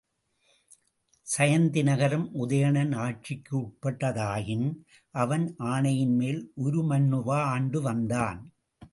சயந்தி நகரம் உதயணன் ஆட்சிக்கு உட்பட்டதாயின், அவன் ஆணையின்மேல் உருமண்ணுவா ஆண்டு வந்தான்.